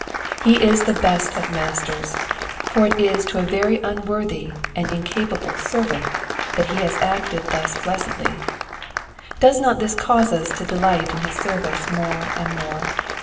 He is the best of Masters ; for it is to a very unworthy and incapable servant that he has acted thus blessedly : does not this cause us to delight in his service more and more